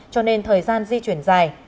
cho nên thời gian di chuyển dài